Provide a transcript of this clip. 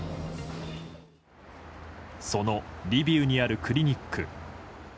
そのリビウにあるクリニック。